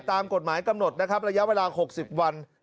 ตามกฎหมายกำหนดนะครับระยะเวลา๖๐วัน